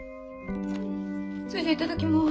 それじゃあいただきます。